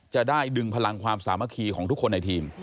จะได้ดึงพลังความสามัคคีของทุกคนในทีม